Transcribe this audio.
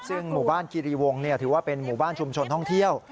ซึ่งหมู่บ้านคิริวงศ์ถือว่าเป็นหมู่บ้านชุมชนท่องเที่ยว